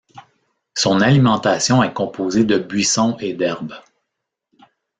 Son alimentation est composée de buissons et d'herbes.